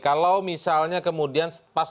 kalau misalnya kemudian